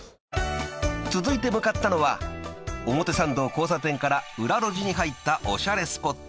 ［続いて向かったのは表参道交差点から裏路地に入ったおしゃれスポット］